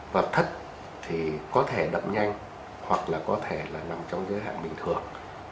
và thất thì có thể đậm nhanh hoặc là có thể là nằm trong giới hạn bình thường